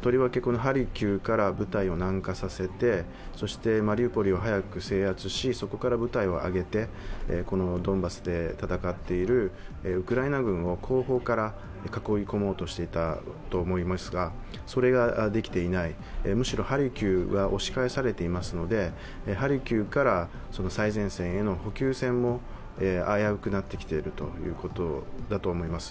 とりわけ、ハリキウから部隊を南下させてそしてマリウポリを早く制圧しそこから部隊を上げて、ドンバスで戦っているウクライナ軍を後方から囲い込もうとしていたと思いますが、それができていない、むしろハルキウが押し返されていますのでハルキウから最前線への補給戦も危うくなってきていると思います。